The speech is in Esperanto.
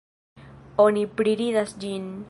Oni priridas ĝin.